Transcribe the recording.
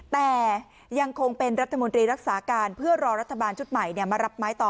แต่ยังคงเป็นรัฐมนตรีรักษาการเพื่อรอรัฐบาลชุดใหม่มารับไม้ต่อ